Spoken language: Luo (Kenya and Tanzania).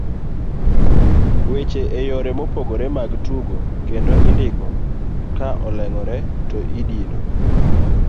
weche e yore mopogore mag tugo kendo indiko ka oleng'ore to idino